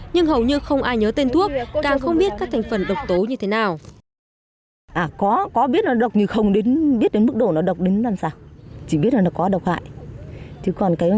nhưng hầu như không ai nhớ tên thuốc càng không biết các thành phần độc tố như thế nào